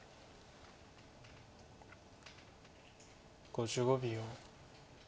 ５５秒。